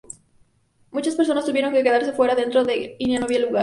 Muchas personas tuvieron que quedarse afuera, adentro ya no había lugar.